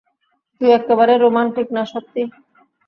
তুই এক্কবারেই রোমান্টিক না, সত্যি!